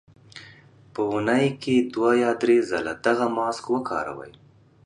په اونۍ کې دوه یا درې ځله دغه ماسک وکاروئ.